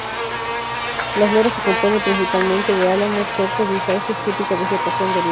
La flora se compone principalmente de álamos, chopos y sauces, típica vegetación de ribera.